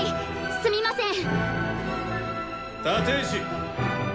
すみません。